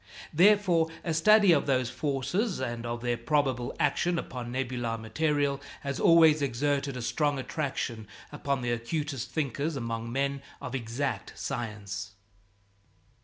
Therefore a study of those forces and of their probable action upon nebular material has always exerted a strong attraction upon the acutest thinkers among men of exact science.